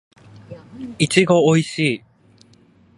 いちごおいしい